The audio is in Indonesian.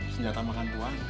senjata makan tua